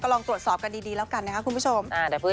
ลองตรวจสอบกันดีแล้วกันนะครับคุณผู้ชม